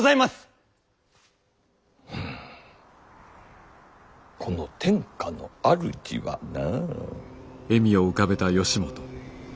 うんこの天下の主はな。